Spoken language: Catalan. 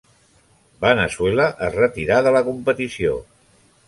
Veneçuela es retirà de la competició.